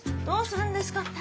どうするんですか？